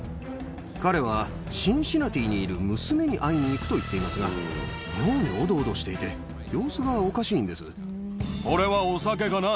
彼はシンシナティにいる娘に会いに行くと言っていますが、妙におどおどしていて、様子がおこれはお酒かな？